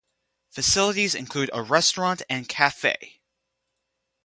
Facilities include a restaurant and cafe.